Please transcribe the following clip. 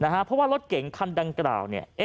เพราะว่ารถเก่งคันดังกล่าวเนี่ย